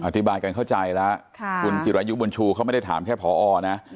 อธิบายกันเข้าใจแล้วคุณจิรายุบุญชูเขาไม่ได้ถามแค่ผอนะ